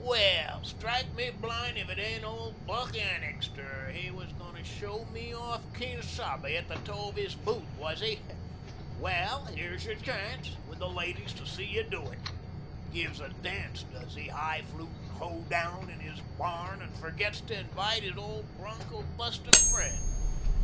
"Well, strike me blind if it ain't old Buck Annixter! He was going to show me off Quien Sabe at the toe of his boot, was he? Well, here's your chance, with the ladies to see you do it. Gives a dance, does he, high falutin' hoe down in his barn and forgets to invite his old broncho bustin' friend.